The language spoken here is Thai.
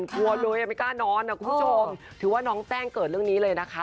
กลัวเลยไม่กล้านอนนะคุณผู้ชมถือว่าน้องแจ้งเกิดเรื่องนี้เลยนะคะ